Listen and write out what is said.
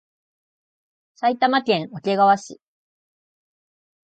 埼玉県桶川市